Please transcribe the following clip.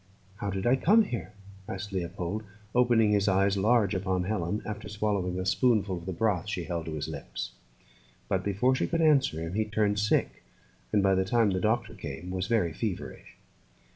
"How did I come here?" asked Leopold, opening his eyes large upon Helen after swallowing a spoonful of the broth she held to his lips. But, before she could answer him, he turned sick, and by the time the doctor came was very feverish.